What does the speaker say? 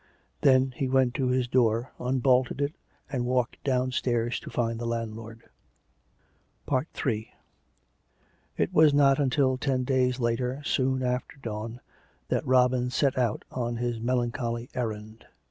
Then he went to his door, unbolted it, and walked down stairs to find the landlord. Ill It was not until ten days later, soon after dawn, that Robin set out on his melancholy errand.